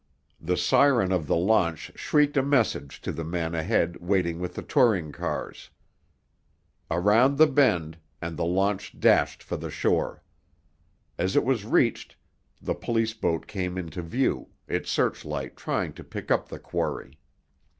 The siren of the launch shrieked a message to the men ahead waiting with the touring cars. Around the bend—and the launch dashed for the shore. As it was reached, the police boat came into view, its searchlight trying to pick up the quarry.